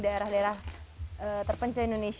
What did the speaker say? daerah daerah terpencil indonesia